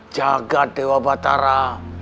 jagat dewa batara